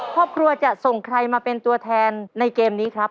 ครอบครัวจะส่งใครมาเป็นตัวแทนในเกมนี้ครับ